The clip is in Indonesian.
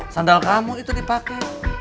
sandal kamu itu dipake